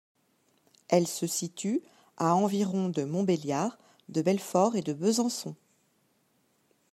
Elle se situe à environ de Montbéliard, de Belfort et de Besançon.